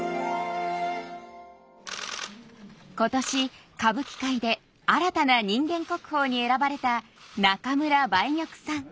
今年歌舞伎界で新たな人間国宝に選ばれた中村梅玉さん。